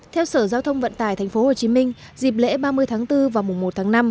theo sở giao thông vận tải tp hcm dịp lễ ba mươi tháng bốn và mùa một tháng năm